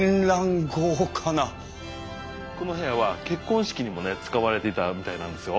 この部屋は結婚式にもね使われていたみたいなんですよ。